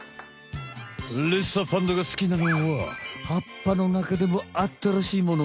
レッサーパンダが好きなのは葉っぱのなかでも新しいもの。